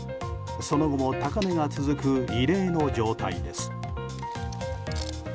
その後も高値が続く異例の状態です。